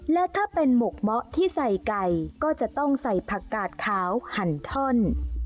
และถ้าเป็นหมกเมาะที่ใส่ไก่ก็จะต้องใส่ผักกาดขาวหั่นท่อน